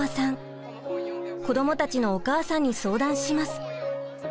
子どもたちのお母さんに相談します。